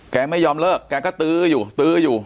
แกไม่ยอมเลิกแกก็ตื้ออยู่ตื้ออยู่